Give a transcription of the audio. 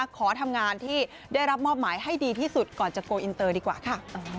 ขอทำงานที่ได้รับมอบหมายให้ดีที่สุดก่อนจะโกลอินเตอร์ดีกว่าค่ะ